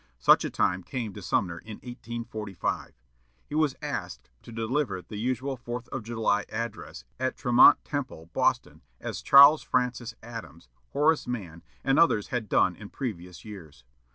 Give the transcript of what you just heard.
Such a time came to Sumner in 1845. He was asked to deliver the usual Fourth of July address at Tremont Temple, Boston, as Charles Francis Adams, Horace Mann, and others had done in previous years.